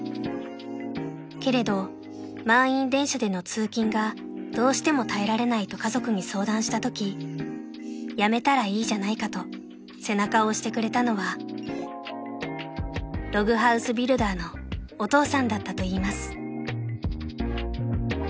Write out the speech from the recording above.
［けれど満員電車での通勤がどうしても耐えられないと家族に相談したとき辞めたらいいじゃないかと背中を押してくれたのはログハウスビルダーのお父さんだったといいます］